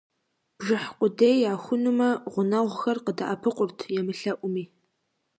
Бжыхь къудей яхунумэ, гъунэгъухэр къыдэӀэпыкъурт, емылъэӀуми.